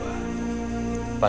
kakak banyak sumba